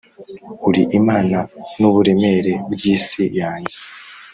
uri imana n'uburemere bw'isi yange.